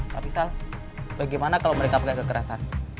tapi sal bagaimana kalau mereka pakai kekerasan